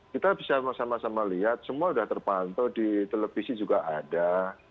kita bisa sama sama lihat semua sudah terpantau di televisi juga ada